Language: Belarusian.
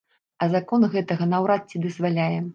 А закон гэтага наўрад ці дазваляе.